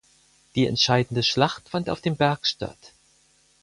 Die entscheidende Schlacht fand auf dem Berg statt.